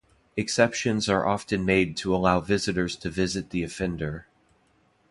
Exceptions are often made to allow visitors to visit the offender.